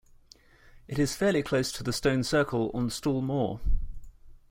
It is fairly close to the stone circle on Stall Moor.